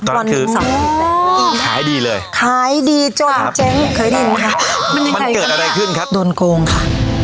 ใครดีเลยขายดีจุดเคยเห็นไหมมันเกิดอะไรขึ้นครับโดนโกงค่ะ